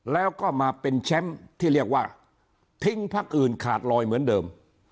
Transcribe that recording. แล้วก็มาเป็นแชมป์ที่เรียกว่าทิ้งพักอื่นขาดลอยเหมือนเดิม